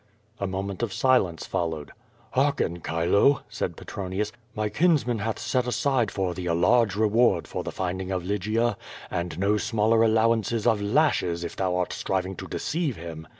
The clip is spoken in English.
A moment of silence followed. "Hearken, Chilo," said Petronius, "my kinsman hath set aside for thee a large reward for the finding of Lygia, and no smaller allowances of lashes if thou art striving to deceive him.